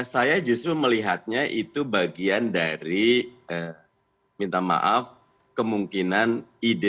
saya justru melihatnya itu bagian dari minta maaf kemungkinan ide